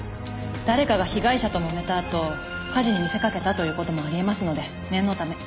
誰かが被害者ともめたあと火事に見せかけたという事もありえますので念のため。